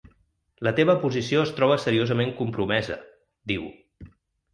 La teva posició es troba seriosament compromesa, diu.